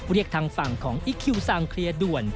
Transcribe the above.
เรียกทางฝั่งของอีคคิวซางเคลียร์ด่วน